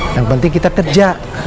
yang penting kita kerja